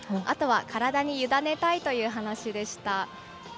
あとは体に委ねたいという話でした。